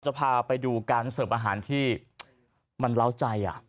จะพาไปดูการเสิร์ฟอาหารที่มันเล้าใจ